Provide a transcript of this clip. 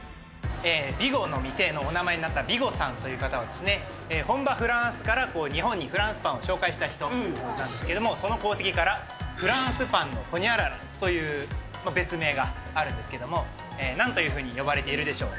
ビゴの店のお名前になったビゴさんという方は、本場フランスから日本にフランスパンを紹介した人なんですけれども、その功績から、フランスパンのホニャララという別名があるんですけれども、なんというふうに呼ばれているでしょう？